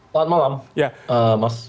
selamat malam mas